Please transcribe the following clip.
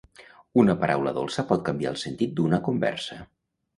Una paraula dolça pot canviar el sentit d'una conversa.